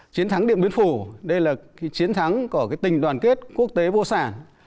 chiến thắng điện biên phủ đây là chiến thắng của tình đoàn kết quốc tế vô sản